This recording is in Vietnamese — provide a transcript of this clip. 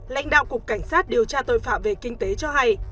lãnh đạo cục cảnh sát điều tra tội phạm về kinh tế cho hay